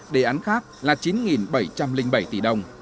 đề án khác là chín tỷ đồng